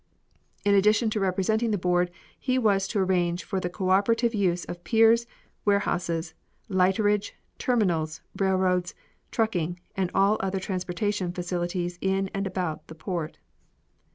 In addition to representing the board he was to arrange for the co operative use of piers, warehouses, lighterage, terminals, railroads, trucking, and all other transportation facilities in and about the port.